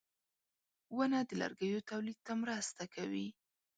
• ونه د لرګیو تولید ته مرسته کوي.